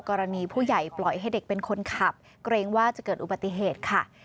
กรณีผู้ใหญ่ปล่อยให้เด็กเป็นคนขับเกรงว่าจะเกิดอุบัติเหตุค่ะ